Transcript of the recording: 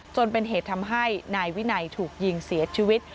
จนเป็นเหตุทำให้นายวินัยถูกยิงเสียชีวิต